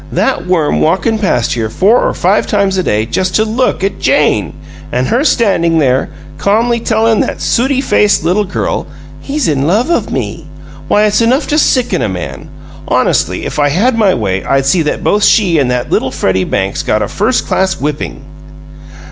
That Worm walkin' past here four or five times a day just to look at JANE! And her standing there, calmly tellin' that sooty faced little girl, 'He's in love of me'! Why, it's enough to sicken a man! Honestly, if I had my way, I'd see that both she and that little Freddie Banks got a first class whipping!"